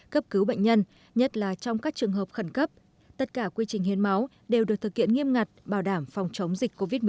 cấp cứu bệnh nhân nhất là trong các trường hợp khẩn cấp tất cả quy trình hiến máu đều được thực hiện nghiêm ngặt bảo đảm phòng chống dịch covid một mươi chín